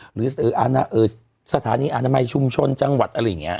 หรือสถานีอนามัยชุมชนจังหวัดอะไรอย่างนี้